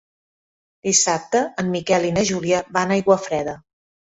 Dissabte en Miquel i na Júlia van a Aiguafreda.